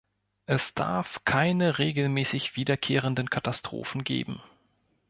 Es darf keine regelmäßig wiederkehrenden Katastrophen geben.